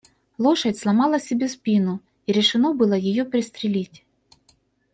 Лошадь сломала себе спину, и решено было ее пристрелить.